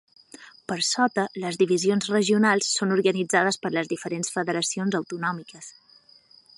Per sota, les divisions regionals són organitzades per les diferents federacions autonòmiques.